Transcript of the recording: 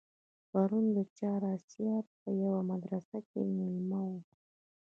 پرون د چهار آسیاب په یوه مدرسه کې مېلمه وم.